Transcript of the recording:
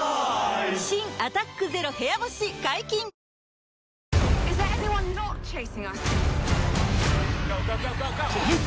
新「アタックＺＥＲＯ部屋干し」解禁‼ヘイ！